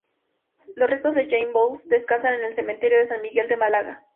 Los restos de Jane Bowles descansan en el Cementerio de San Miguel de Málaga.